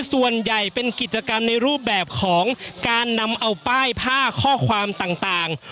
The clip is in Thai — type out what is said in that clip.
ส่วนใหญ่เป็นกิจกรรมในรูปแบบของการนำเอาป้ายผ้าข้อความต่าง